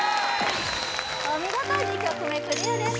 お見事２曲目クリアです